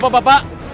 pak pak pak